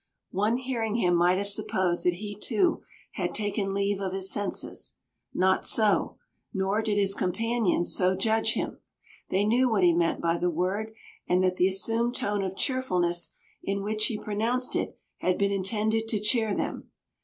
One hearing him might have supposed that he too had taken leave of his senses. Not so, nor did his companions so judge him. They knew what he meant by the word, and that the assumed tone of cheerfulness in which he pronounced it had been intended to cheer them.